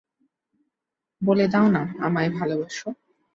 বলে দাও না, আমায় ভালোবাসো।